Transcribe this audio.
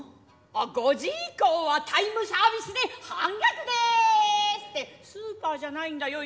あ五時以降はタイムサービスで半額ですってスーパーじゃないんだよ